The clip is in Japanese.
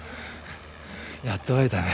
やっと会えたね。